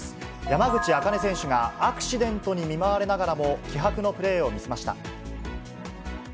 山口茜選手がアクシデントに見舞われながらも、気迫のプレーを見せました。